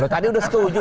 tadi udah setuju